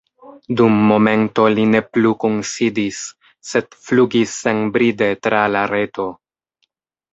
Dum momento li ne plu kunsidis, sed flugis senbride tra la reto.